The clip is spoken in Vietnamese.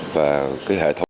và cái hệ thống